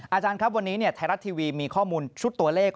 อาจารย์ครับวันนี้ไทยรัฐทีวีมีข้อมูลชุดตัวเลข